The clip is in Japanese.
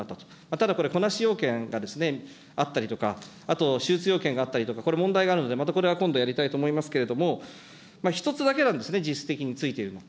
ただ、これ、こなし要件があったりとか、あと手術要件があったりとか、これ、問題があるので、また今度やりたいと思いますけれども、１つだけなんですね、実質的についてるのは。